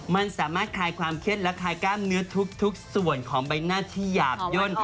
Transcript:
มันสามารถคลายความเข็ดและคลายกล้ามเนื้อทุกส่วนของใบหน้าที่หยาบย่น